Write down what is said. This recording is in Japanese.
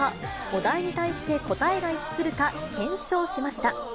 お題に対して答えが一致するか、検証しました。